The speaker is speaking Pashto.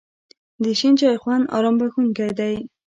د شین چای خوند آرام بښونکی دی.